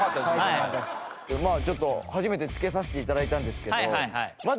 ちょっと初めて着けさせて頂いたんですけど。